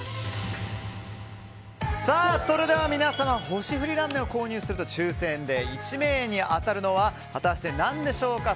さあ、それでは皆さんホシフリラムネを購入すると抽選で１名に当たるのは果たして何でしょうか。